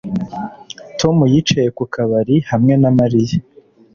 Tom yicaye ku kabari hamwe na Mariya